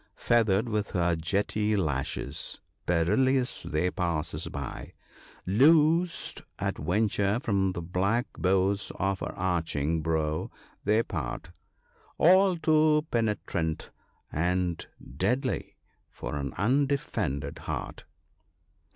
Feathered with her jetty lashes, perilous they pass us by : Loosed at venture from the black bows of her arching brow they part, All too penetrant and deadly for an undefended heart.